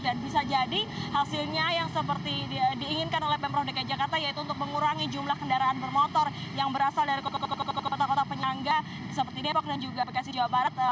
dan bisa jadi hasilnya yang seperti diinginkan oleh pm prodeknya jakarta yaitu untuk mengurangi jumlah kendaraan bermotor yang berasal dari kota kota penyangga seperti depok dan juga bekasi jawa barat